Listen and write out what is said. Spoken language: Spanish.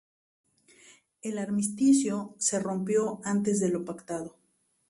El armisticio se rompió antes de lo pactado.